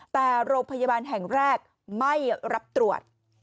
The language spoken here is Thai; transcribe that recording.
แต่โรงพยาบาลแห่งแรกไม่รับตรวจ